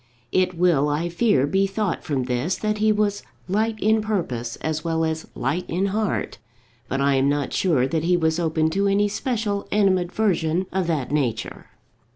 It will, I fear, be thought from this that he was light in purpose as well as light in heart; but I am not sure that he was open to any special animadversion of that nature.